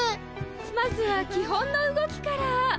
まずは基本の動きから。